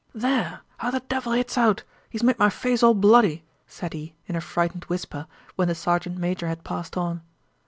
"There, how that devil hits out! He's made my face all bloody," said he in a frightened whisper when the sergeant major had passed on.